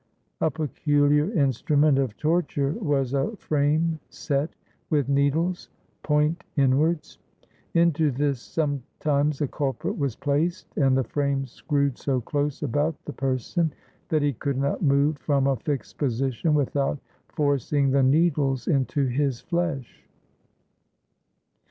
A peculiar instrument of torture was a frame set with needles, point inwards. Into this sometimes a culprit was placed, and the frame screwed so close about the person that he could not move from a fixed position without forcing the needles into his flesh.